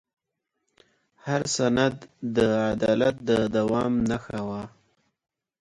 هر سند د عدالت د دوام نښه وه.